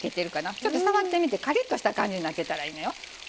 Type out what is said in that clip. ちょっと触ってみてカリッとした感じになってたらいいのよ。